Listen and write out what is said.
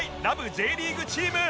Ｊ リーグチーム